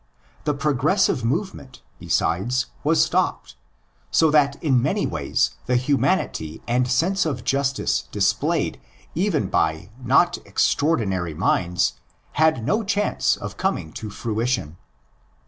The progressive move ment, besides, was stopped; so that in many ways the humanity and sense of justice displayed even by not extraordinary minds had no chance of coming to fruition.